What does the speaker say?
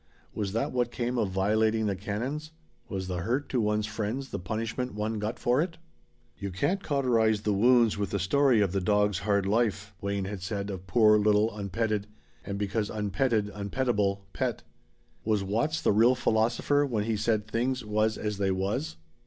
Was that what came of violating the canons? Was the hurt to one's friends the punishment one got for it? "You can't cauterize the wounds with the story of the dog's hard life," Wayne had said of poor little unpetted and because unpetted, unpettable Pet. Was Watts the real philosopher when he said "things was as they was"?